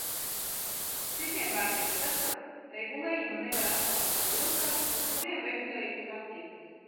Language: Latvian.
Citiem vārdiem sakot, regulējumu nevar atstāt to rokās, uz kuriem regulējums attiecas.